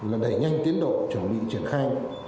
là đẩy nhanh tiến độ chuẩn bị trở khai